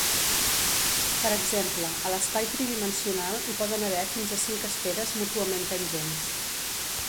Per exemple, a l'espai tridimensional hi poden haver fins a cinc esferes mútuament tangents.